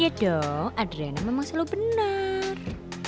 iya dong adrena memang selalu benar